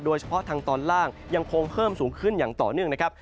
โดยเฉพาะทางตอนล่างยังคงเพิ่มสูงขึ้นอย่างต่อเนื่องนะครับ